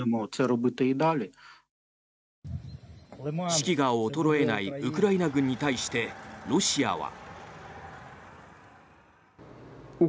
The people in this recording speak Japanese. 士気が衰えないウクライナ軍に対してロシアは。